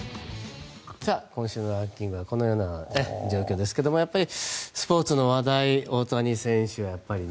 今週のランキングはこのような状況ですがやっぱりスポーツの話題大谷選手。